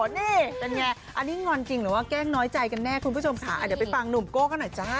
นี่เป็นไงอันนี้งอนจริงหรือว่าแกล้งน้อยใจกันแน่คุณผู้ชมค่ะเดี๋ยวไปฟังหนุ่มโก้กันหน่อยจ้า